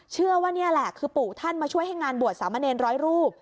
เชื่อว่านี่แหละคือปู่ท่านมาช่วยให้งานบวชสามเณรร้อยรูป